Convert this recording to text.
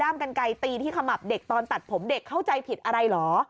กันไกลตีที่ขมับเด็กตอนตัดผมเด็กเข้าใจผิดอะไรเหรอ